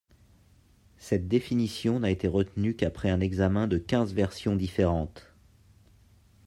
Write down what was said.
Cette définition n’a été retenue qu’après un examen de quinze versions différentes.